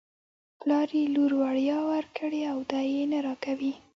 پلار یې لور وړيا ورکړې او دی یې نه راکوي.